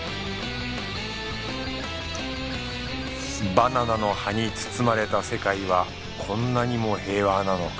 バナナの葉に包まれた世界はこんなにも平和なのか